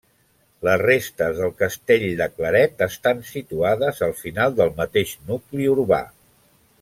Les restes del castell de Claret estan situades al final del mateix nucli urbà.